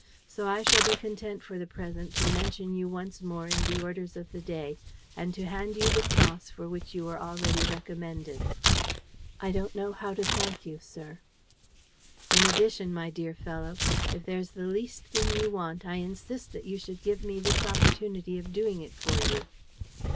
So I shall be content for the present to mention you once more in the orders of the day and to hand you the cross for which you were already recommended." "I don't know how to thank you, sir." "In addition, my dear fellow, if there's the least thing you want, I insist that you should give me this opportunity of doing it for you."